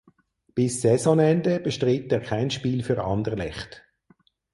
Bis Saisonende bestritt er kein Spiel für Anderlecht.